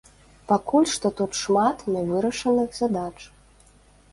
Пакуль што тут шмат нявырашаных задач.